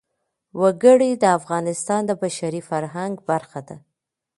وګړي د افغانستان د بشري فرهنګ برخه ده.